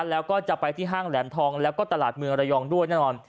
แล้วก็จะไปที่ห้างแหลมทองแล้วก็ตลาดเมืองระยองด้วยแน่นอน